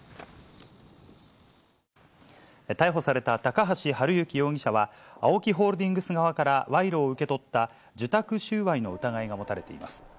逮捕された高橋治之容疑者は、ＡＯＫＩホールディングス側から賄賂を受け取った、受託収賄の疑いが持たれています。